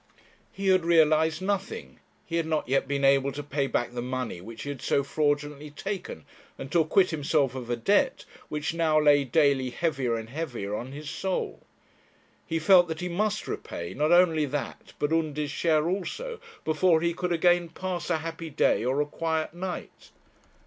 He had realized nothing; he had not yet been able to pay back the money which he had so fraudulently taken, and to acquit himself of a debt which now lay daily heavier and heavier on his soul. He felt that he must repay not only that but Undy's share also, before he could again pass a happy day or a quiet night.